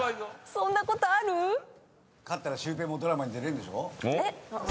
そんなことある⁉勝ったらシュウペイもドラマに出れるんでしょ？